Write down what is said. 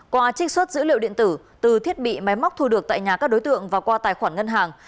qua trích xuất dữ liệu điện tử từ thiết bị máy móc thu được tại nhà các đối tượng và qua tài khoản ngân hàng